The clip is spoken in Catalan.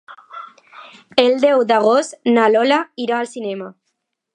El deu d'agost na Lola irà al cinema.